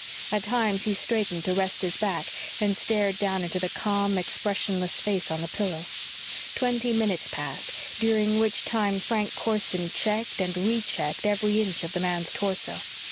At times he straightened to rest his back and stared down into the calm, expressionless face on the pillow. Twenty minutes passed, during which time Frank Corson checked and rechecked every inch of the man's torso.